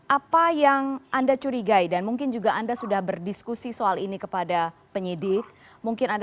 apa yang anda curigai dan mungkin juga anda sudah berdiskusi soal ini kepada penyidik